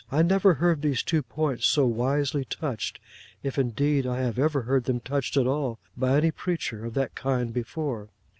I never heard these two points so wisely touched (if indeed I have ever heard them touched at all), by any preacher of that kind before.